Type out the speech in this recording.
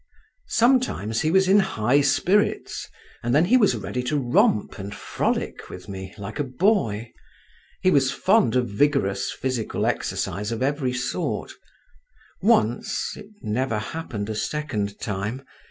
Sometimes he was in high spirits, and then he was ready to romp and frolic with me, like a boy (he was fond of vigorous physical exercise of every sort); once—it never happened a second time!